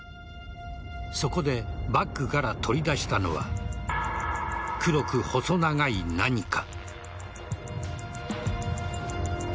そこでバッグから取り出したのは黒く細長い何か。